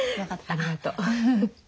ありがと。